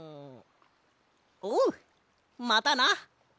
おうまたな！